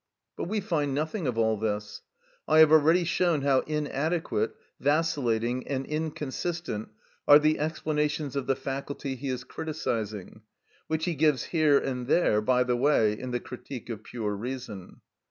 But we find nothing of all this. I have already shown how inadequate, vacillating, and inconsistent are the explanations of the faculty he is criticising, which he gives here and there by the way in the "Critique of Pure Reason."